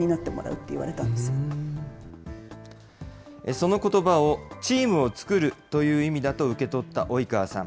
そのことばをチームを作るという意味だと受け取った及川さん。